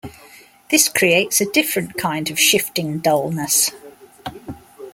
This creates a different kind of shifting dullness.